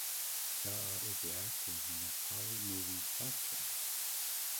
Jha is the actor of the Nepali movie "Jatra".